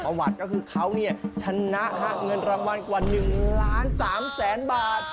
ประวัติก็คือเขาชนะเงินรางวัลกว่า๑ล้าน๓แสนบาท